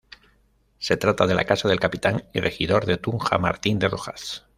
Se trata de la casa del capitán y regidor de Tunja, Martín de Rojas.